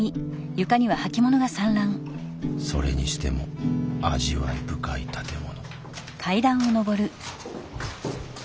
それにしても味わい深い建物。